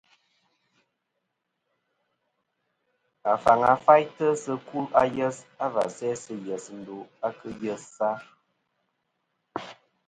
Và faŋa faytɨ sɨ kul ayes a và sæ sɨ yes ndo a kɨ yesa.